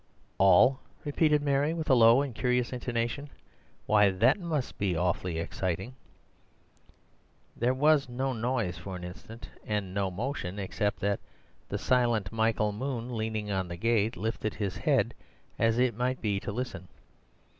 "All?" repeated Mary, with a low and curious intonation; "why, that must be awfully exciting." There was no noise for an instant and no motion except that the silent Michael Moon, leaning on the gate, lifted his head, as it might be to listen.